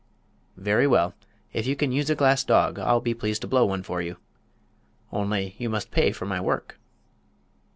"Very well; if you can use a glass dog I'll be pleased to blow one for you. Only, you must pay for my work."